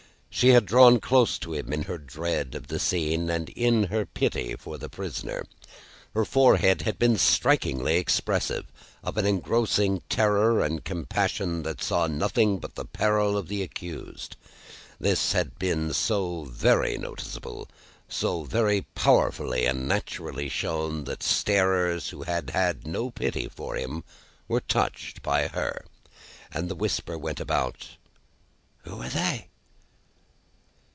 She had drawn close to him, in her dread of the scene, and in her pity for the prisoner. Her forehead had been strikingly expressive of an engrossing terror and compassion that saw nothing but the peril of the accused. This had been so very noticeable, so very powerfully and naturally shown, that starers who had had no pity for him were touched by her; and the whisper went about, "Who are they?"